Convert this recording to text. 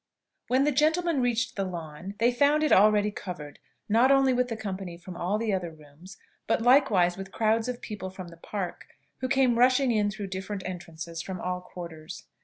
When the gentlemen reached the lawn, they found it already covered, not only with the company from all the other rooms, but likewise with crowds of people from the Park, who came rushing in through different entrances from all quarters.